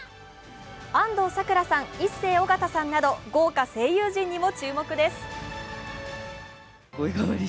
安藤サクラさん、イッセー尾形さんなど豪華声優陣にも注目です。